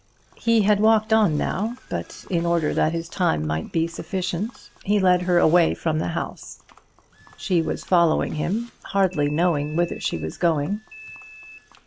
He had walked on now, but in order that his time might be sufficient, he led her away from the house. She was following him, hardly knowing whither she was going.